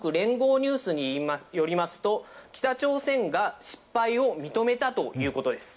ニュースによりますと、北朝鮮が失敗を認めたということです。